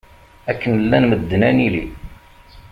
Akken llan medden ad nili.